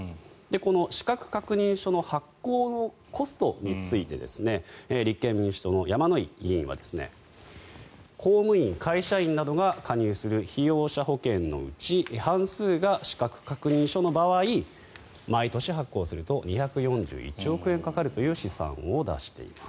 この資格確認書の発行のコストについて立憲民主党の山井議員は公務員・会社員などが加入する被用者保険のうち半数が資格確認書の場合毎年発行すると２４１億円かかるという試算を出しています。